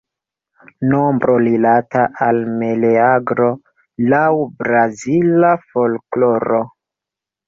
Nombro rilata al Meleagro laŭ Brazila folkloro.